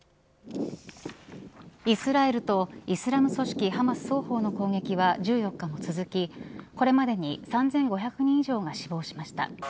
イスラエルとイスラム組織ハマス双方の攻撃は１４日も続きこれまでに３５００人以上が死亡しました。